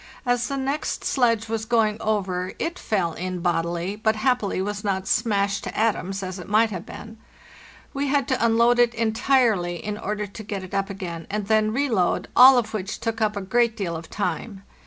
As the next sledge was going over it fell in bodily, but happily was not smashed to atoms, as it might have been. We had to unload it entirely in order to get it up again, and then reload, all of which took up a great deal of time.